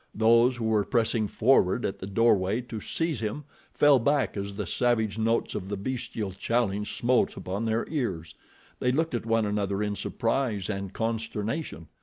Those who were pressing forward at the doorway to seize him, fell back as the savage notes of the bestial challenge smote upon their ears. They looked at one another in surprise and consternation.